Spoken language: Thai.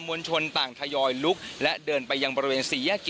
วลชนต่างทยอยลุกและเดินไปยังบริเวณ๔แยก๗